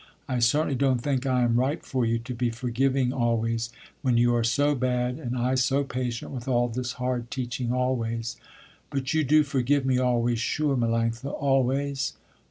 I certainly don't think I am right for you, to be forgiving always, when you are so bad, and I so patient, with all this hard teaching always." "But you do forgive me always, sure, Melanctha, always?"